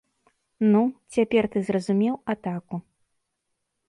Ну, цяпер ты зразумеў атаку?